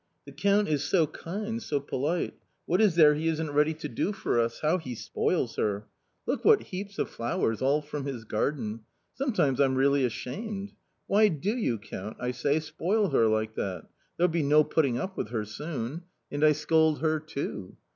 The Count is so kind, so polite : what is there he isn't ready to do for us ; how he spoils her ! Look what heaps of flowers ! all from his garden. Sometimes I'm really ashamed. ' Why do you, Count,' I say, ' spoil her like that ? there'll be no putting up with her soon !' and I scold her too.